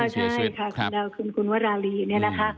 ใช่ค่ะคุณดาวคุณคุณวราลีเนี่ยนะคะ